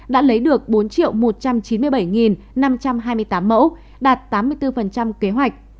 đã lấy được bốn một trăm chín mươi bảy năm trăm hai mươi tám mẫu đạt tám mươi bốn kế hoạch